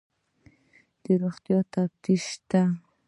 د روغتیا تفتیش شته؟